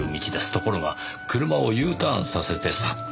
ところが車をＵターンさせて去った。